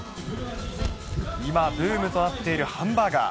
今、ブームとなっているハンバーガー。